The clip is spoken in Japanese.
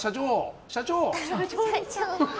社長！